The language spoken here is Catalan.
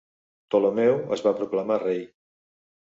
Ptolemeu es va proclamar rei.